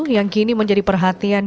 yang kini menjadi perhatian